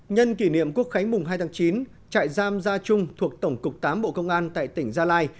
nhân kỷ niệm quốc khánh mùng hai tháng chín trại giam gia trung thuộc tổng cục tám bộ công an tại tỉnh gia lai